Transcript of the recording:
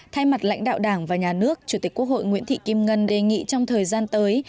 thay mặt lãnh đạo đảng và nhà nước chủ tịch quốc hội nguyễn thị kim ngân đề nghị trong thời gian tới